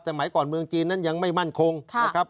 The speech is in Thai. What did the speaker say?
สมัยก่อนเมืองจีนนั้นยังไม่มั่นคงนะครับ